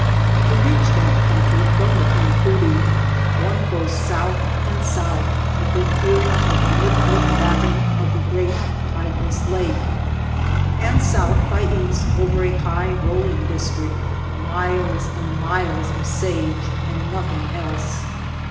To reach that country from the cam poodie, one goes south and south, within' hearing of the lip lip lapping of the great tideless lake, and south by east over a high rolling district, miles and miles of sage and nothing else.